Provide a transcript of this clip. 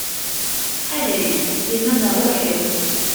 Ḥader-itt, tinna d rruḥ-iw.